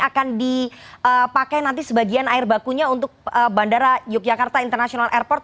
akan dipakai nanti sebagian air bakunya untuk bandara yogyakarta international airport